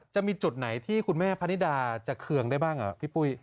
จะมีจุดไหนที่คุณแม่พนิดาจะเคืองได้บ้างพี่ปุ้ย